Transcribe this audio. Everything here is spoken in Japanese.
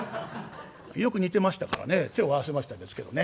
よく似てましたからね手を合わせましたですけどね。